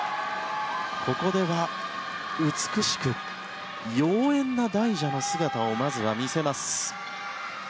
ここでは美しく妖艶な大蛇の姿をまずは見せます。